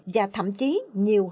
và thậm chí nhiều hơn thế nữa